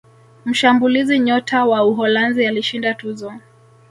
mshambulizi nyota wa uholanzi alishinda tuzo